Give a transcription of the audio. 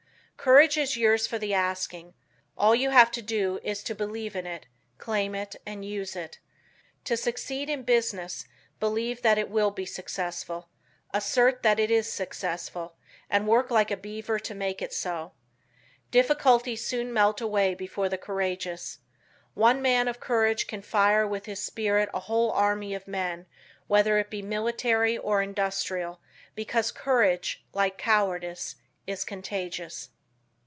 Courage is yours for the asking. All you have to do is to believe in it, claim it and use it. To succeed in business believe that it will be successful, assert that it is successful, and work like a beaver to make it so. Difficulties soon melt away before the courageous. One man of courage can fire with his spirit a whole army of men, whether it be military or industrial, because courage, like cowardice, is contagious.